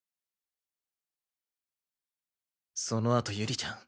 そのあと有里ちゃん